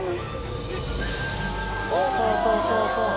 そうそうそうそう！